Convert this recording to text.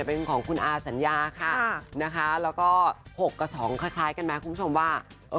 เป็นของคุณอาสัญญาค่ะนะคะแล้วก็๖กับ๒คล้ายกันไหมคุณผู้ชมว่า